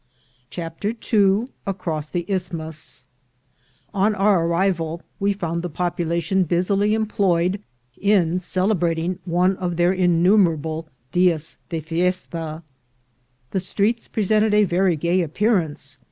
CHAPTER II ACROSS THE ISTHMUS ON our arrival we found the population busily employed in celebrating one of their innumer able dias de fiesta. The streets presented a very gay appearance.